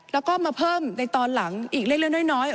แล้วก็มาเพิ่มในตอนหลังอีกเล็กน้อย